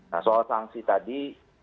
nah soal sanksi tadi